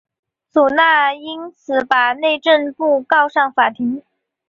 祖纳因此把内政部告上法庭。